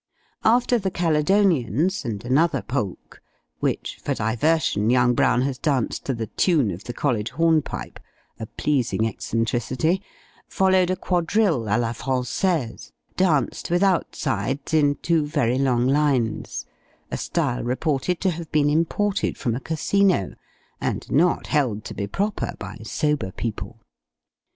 After the "Caledonians" and another polk (which, for diversion, young Brown has danced to the tune of the "College hornpipe" a pleasing eccentricity), followed a quadrille, à la Française, danced without sides, in two very long lines a style reported to have been imported from a Casino, and not held to be proper by sober people.